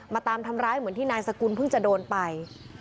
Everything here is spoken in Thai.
ตามทำร้ายเหมือนที่นายสกุลเพิ่งจะโดนไป